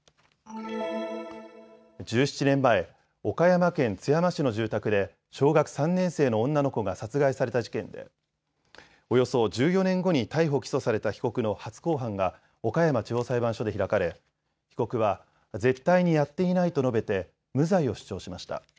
１７年前、岡山県津山市の住宅で小学３年生の女の子が殺害された事件でおよそ１４年後に逮捕・起訴された被告の初公判が岡山地方裁判所で開かれ被告は絶対にやっていないと述べて無罪を主張しました。